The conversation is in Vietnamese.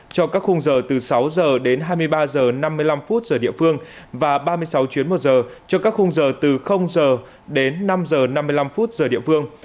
cho các khung giờ từ sáu giờ đến hai mươi ba giờ năm mươi năm phút giờ địa phương và ba mươi sáu chuyến một giờ cho các khung giờ từ giờ đến năm giờ năm mươi năm phút giờ địa phương